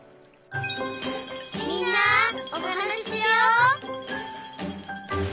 「みんなおはなししよう」